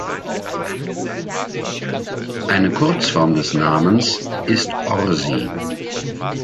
Eine Kurzform des Namens ist Orsi.